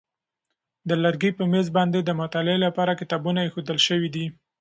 د لرګي په مېز باندې د مطالعې لپاره کتابونه ایښودل شوي دي.